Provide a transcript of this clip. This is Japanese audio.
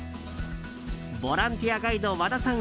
ボランティアガイド和田さん